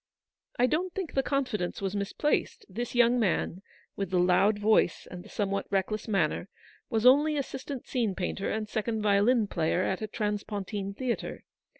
I don't think the confidence was misplaced. This young man, with the loud voice and the h 2 100 somewhat reckless manner, was only assistant scene painter and second violin player at a trans pontine theatre.